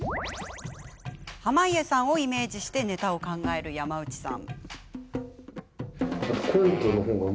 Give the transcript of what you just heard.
濱家さんをイメージしてネタを考える山内さん。